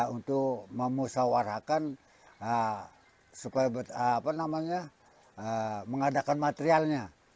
untuk memusawarakan supaya mengadakan materialnya